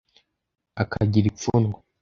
akagira ipfunwe